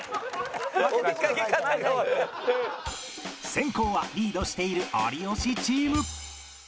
先攻はリードしている有吉チーム